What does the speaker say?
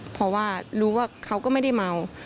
เพราะว่ารู้ว่าเขาก็ไม่ได้เมา